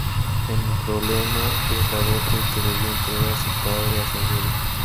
El problema es la dote que debió entregar su padre a su abuelo.